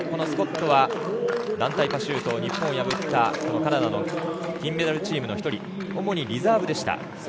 スコットは団体パシュート日本を破ったカナダの金メダルチームの１人主にリザーブでした。